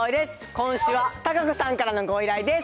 今週はたかこさんからのご依頼です。